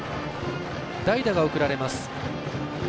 代打が送られます。